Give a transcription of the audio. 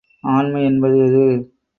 ஆண்மை என்பது எது?